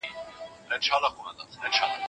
خسرو خان په دغه نښته کې ووژل شو.